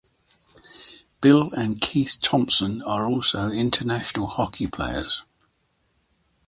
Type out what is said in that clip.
Bill and Keith Thomson were also international hockey players.